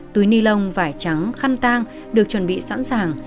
túi ni lông vải trắng khăn được chuẩn bị sẵn sàng